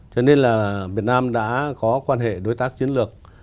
cho nên là việt nam đã có quan hệ đối tác chiến lược